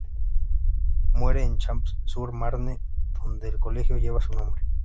Muere en Champs-sur-Marne, donde el colegio lleva su nombre.